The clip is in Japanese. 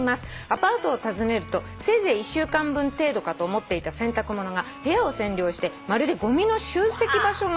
アパートを訪ねるとせいぜい１週間分程度かと思っていた洗濯物が部屋を占領してまるでごみの集積場所のよう」